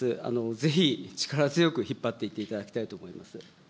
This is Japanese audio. ぜひ力強く引っ張っていっていただきたいと思います。